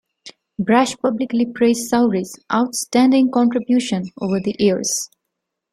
Brash publicly praised Sowry's "outstanding contribution" over the years.